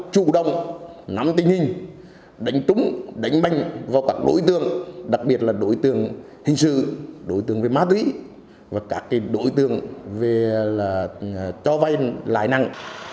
chủ động nắm tình hình đánh trúng đánh banh vào các đối tượng đặc biệt là đối tượng hình sự đối tượng về má tuy và các đối tượng về cho vay lãi năng